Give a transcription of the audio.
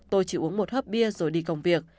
tôi chỉ uống một hấp bia rồi đi công việc